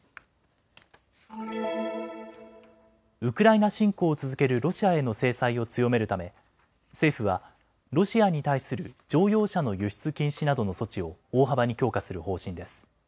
ウクライナ侵攻を続けるロシアへの制裁を強めるため政府はロシアに対する乗用車の輸出禁止などの措置を大幅に強化する方針です。